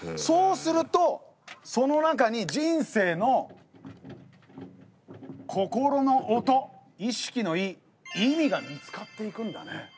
そうするとその中に人生の心の音意識の「意」意味が見つかっていくんだね。